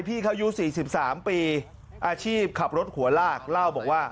พี่เขาอายุ๔๓ปีอาชีพขับรถหัวลากเล่าบอกว่า